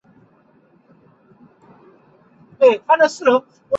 圣梅斯曼人口变化图示